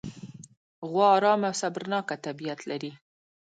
غوا ارامه او صبرناکه طبیعت لري.